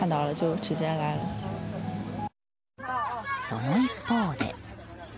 その一方で。